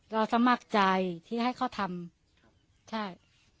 สมัครใจที่ให้เขาทำใช่